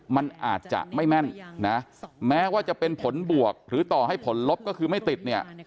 มันอาจจะไม่แม่นนะแม้ว่าจะเป็นผลบวกหรือต่อให้ผลลบก็คือไม่ติดเนี่ย